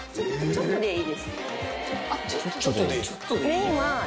ちょっとでいいんだ。